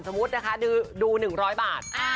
สมมุติดู๑๐๐บาท